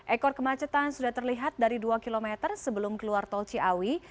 ekor kemacetan sudah terlihat dari dua km sebelum keluar tol ciawi